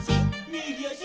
「みぎあし」